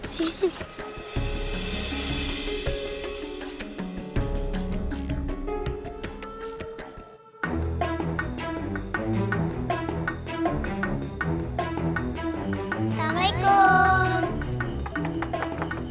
kita tanya aja sama emang luah